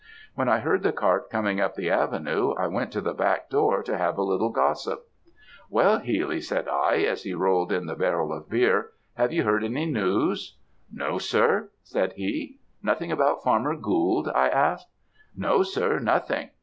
"When I heard the cart coming up the avenue, I went to the back door, to have a little gossip. "'Well Healy,' said I, as he rolled in the barrel of beer; have you heard any news?' "'No sir,' said he. "'Nothing about farmer Gould?' I asked. "'No sir, nothing.